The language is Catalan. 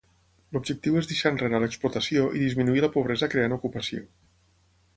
L'objectiu és deixar enrere l'explotació i disminuir la pobresa creant ocupació.